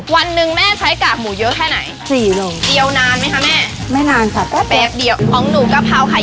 วันนึงแม่ใช้กากหมูเยอะแค่ไหน